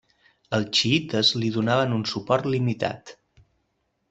Els xiïtes li donaven un suport limitat.